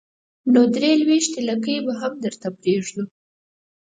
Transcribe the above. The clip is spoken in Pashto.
نو درې لوېشتې لکۍ به هم درته پرېږدو.